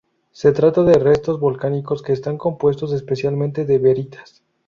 Se trata de restos volcánicos que están compuesto especialmente de veritas.